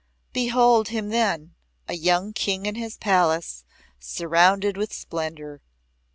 Behold him then, a young King in his palace, surrounded with splendour.